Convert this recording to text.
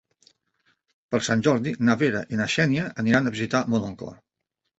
Per Sant Jordi na Vera i na Xènia aniran a visitar mon oncle.